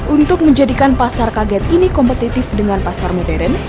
untuk menjadikan pasar kaget ini kompetitif dengan pasar modern